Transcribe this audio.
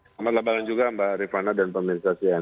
selamat lebaran juga mbak rifana dan pemirsa cnn